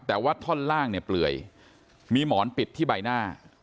แต่ว่าท่อนล่างเนี่ยเปลื่อยมีหมอนปิดที่ใบหน้า